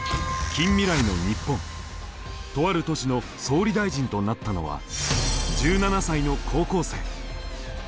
とある都市の総理大臣となったのは１７才の高校生。